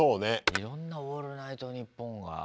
いろんな「オールナイトニッポン」が。